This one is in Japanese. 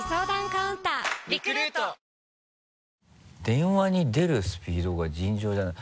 「電話に出るスピードが尋常じゃない」